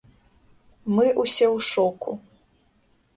Мы ўсе ў шоку.